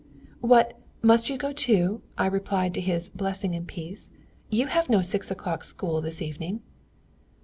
"'What! must you go too?' I replied to his 'blessing and peace.' 'You have no six o'clock school this evening.'